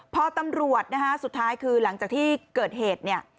พอตำรวจสุดท้ายคือหลังจากที่เกิดเหตุ